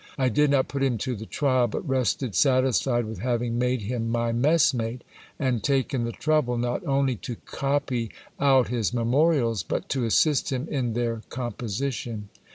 I did not put him to the trial ; but rested satisfied with having made him my messmate, and taken the trouble not only to copy out his memorials, but to assist him in their composition.